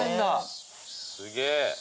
すげえ。